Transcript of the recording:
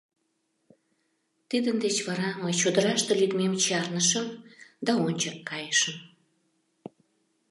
Тидын деч вара мый чодыраште лӱдмем чарнышым да ончык кайышым.